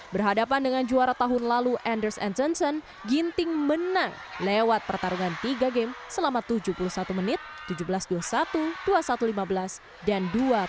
berhadapan dengan juara tahun lalu anders and thinson ginting menang lewat pertarungan tiga game selama tujuh puluh satu menit tujuh belas dua puluh satu dua puluh satu lima belas dan dua puluh satu delapan belas